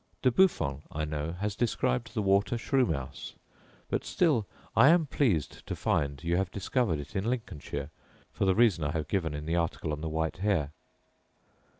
De Buffon, I know, has described the water shrew mouse: but still I am pleased to find you have discovered it in Lincolnshire, for the reason I have given in the article on the white hare.